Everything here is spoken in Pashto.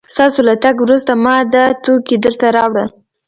ستاسو له تګ وروسته ما دا توکي دلته راوړل